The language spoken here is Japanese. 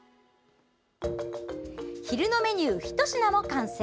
昼のメニュー、ひと品も完成。